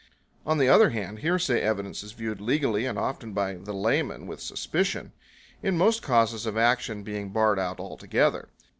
On the other hand, hearsay evidence is viewed legally and often by the layman with suspicion; in most causes of action being barred out altogether.